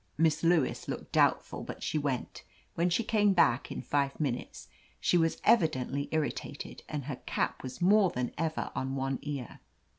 Miss Lewis looked doubtful, but she went. When she came back, in five minutes, she was evidently irritated, and her cap was more than ever on one ear.